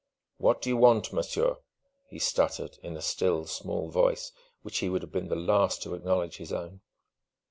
"What do you want, monsieur?" he stuttered in a still, small voice which he would have been the last to acknowledge his own.